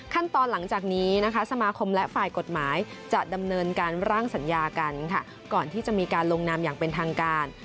หลังจากนี้นะคะสมาคมและฝ่ายกฎหมายจะดำเนินการร่างสัญญากันค่ะก่อนที่จะมีการลงนามอย่างเป็นทางการ